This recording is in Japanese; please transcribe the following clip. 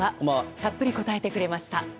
たっぷり答えてくれました。